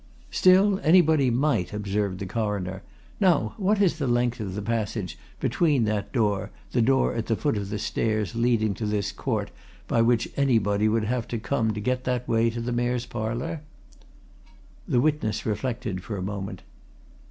"Still, anybody might," observed the Coroner. "Now, what is the length of the passage between that door, the door at the foot of the stairs leading to this court by which anybody would have to come to get that way to the Mayor's Parlour?" The witness reflected for a moment.